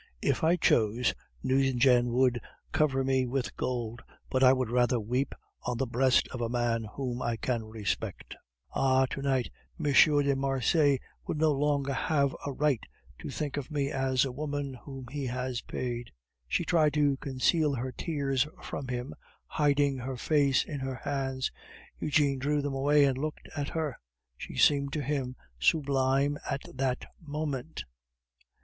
If I chose, Nucingen would cover me with gold, but I would rather weep on the breast of a man whom I can respect. Ah! tonight, M. de Marsay will no longer have a right to think of me as a woman whom he has paid." She tried to conceal her tears from him, hiding her face in her hands; Eugene drew them away and looked at her; she seemed to him sublime at that moment.